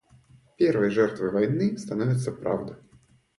Первой жертвой войны становится правда